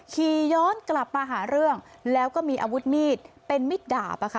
ขี่ย้อนกลับมาหาเรื่องแล้วก็มีอาวุธมีดเป็นมิดดาบอะค่ะ